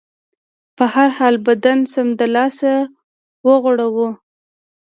په هر حال، بدن سمدلاسه د غوړو